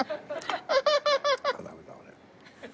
ハハハハ！